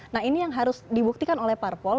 nah ini yang harus dibuktikan oleh parpol